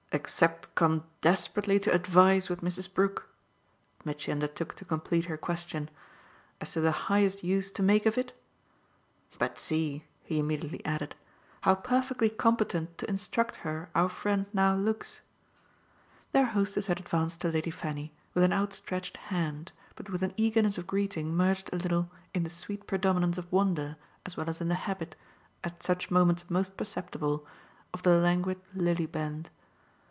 "Except come desperately to advise with Mrs. Brook" Mitchy undertook to complete her question "as to the highest use to make of it? But see," he immediately added, "how perfectly competent to instruct her our friend now looks." Their hostess had advanced to Lady Fanny with an outstretched hand but with an eagerness of greeting merged a little in the sweet predominance of wonder as well as in the habit, at such moments most perceptible, of the languid lily bend.